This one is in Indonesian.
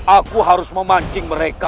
aku harus memancing mereka